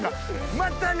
またね